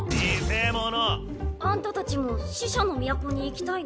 あんたたちも死者の都に行きたいの？